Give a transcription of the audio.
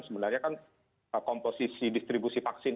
sebenarnya kan komposisi distribusi vaksin